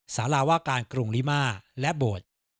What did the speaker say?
สาราว่าการกรุงลิมาและโบสถ์